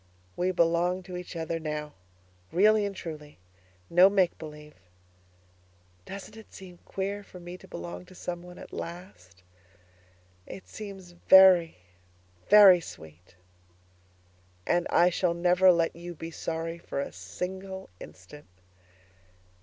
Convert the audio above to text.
We belong to each other now really and truly, no make believe. Doesn't it seem queer for me to belong to someone at last? It seems very, very sweet. And I shall never let you be sorry for a single instant.